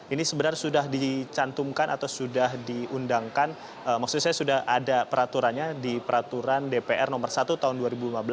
ini sebenarnya sudah dicantumkan atau sudah diundangkan maksudnya sudah ada peraturannya di peraturan dpr nomor satu tahun dua ribu lima belas tentang kode etik anggota dpr